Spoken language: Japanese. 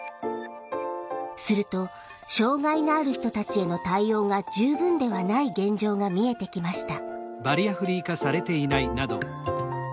すると障害のある人たちへの対応が十分ではない現状が見えてきました。